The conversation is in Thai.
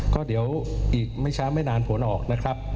ก็เดี๋ยวอีกไม่ช้าไม่นานผลออกนะครับ